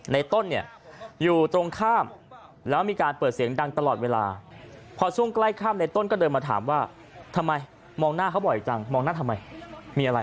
ในต้นเนี่ยอยู่ตรงข้ามแล้วมีการเปิดเสียงดังตลอดเวลาพอช่วงใกล้ข้ามในต้นก็เดินมาถามว่าทำไมมองหน้าเขาบ่อยจังมองหน้าทำไมมีอะไร